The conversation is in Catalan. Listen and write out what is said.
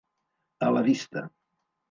A la vista.